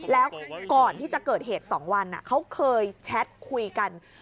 แล้วก่อนที่จะเกิดเหตุ๒วันเขาเคยแชทคุยกัน